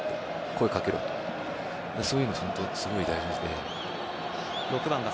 そういうのすごい大事なので。